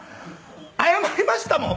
謝りましたもん。